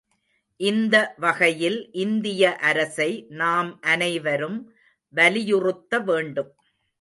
இந்த வகையில் இந்திய அரசை நாம் அனைவரும் வலியுறுத்த வேண்டும்.